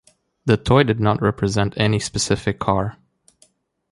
The toy did not represent any specific car.